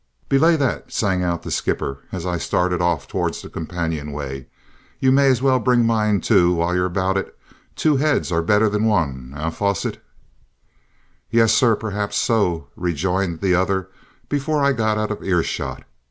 "Belay, there!" sang out the skipper, as I started off towards the companion way. "You may as well bring mine, too, while you're about it. Two heads are better than one, eh, Fosset?" "Yes, sir, perhaps so," rejoined the other, before I got out of earshot.